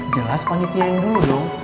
jelas panitia yang dulu dong